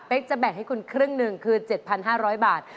เป็นจะแบ่งให้คุณครึ่งหนึ่งคือ๗๕๐๐บาท